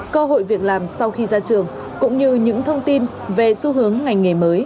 cơ hội việc làm sau khi ra trường cũng như những thông tin về xu hướng ngành nghề mới